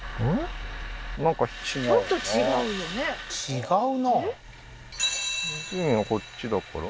違うなん？